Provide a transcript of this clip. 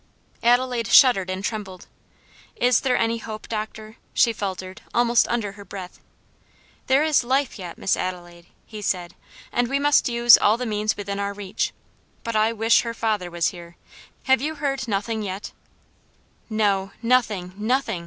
Adelaide shuddered and trembled. "Is there any hope, doctor?" she faltered almost under her breath. "There is life yet, Miss Adelaide," he said, "and we must use all the means within our reach; but I wish her father was here. Have you heard nothing yet?" "No, nothing, nothing!"